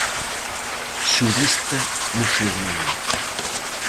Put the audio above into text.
Xurista musulmán.